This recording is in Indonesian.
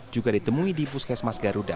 juga ditemui di puskesmas garuda